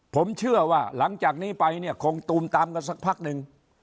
ผมเชื่อว่าหลังจากนี้ไปเนี่ยคงตูมตามกันสักพักหนึ่ง